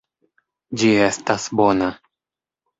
Ĝi estas bona.